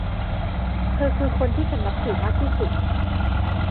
เธอคือคนที่ฉันนับถือมากที่สุด